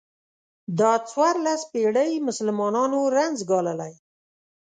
دا څوارلس پېړۍ مسلمانانو رنځ ګاللی.